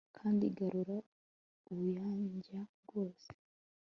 kandi igarura ubuyanja bwose